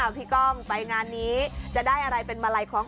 พี่ก้องไปงานนี้จะได้อะไรเป็นมาลัยของ